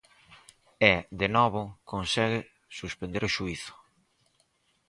E, de novo consegue suspender o xuízo.